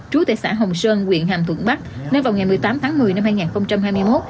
trú tại xã hồng sơn quyện hàm thuận bắc nên vào ngày một mươi tám tháng một mươi năm hai nghìn hai mươi một